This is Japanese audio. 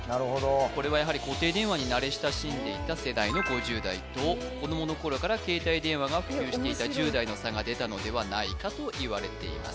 これはやはり固定電話に慣れ親しんでいた世代の５０代と子供の頃から携帯電話が普及していた１０代の差が出たのではないかといわれています